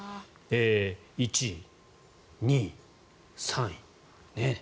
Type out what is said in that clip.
１位、２位、３位。